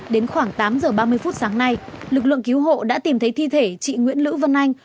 đến khoảng tám giờ ba mươi phút sáng nay lực lượng cứu hộ đã tìm thấy thi thể chị nguyễn lữ vân anh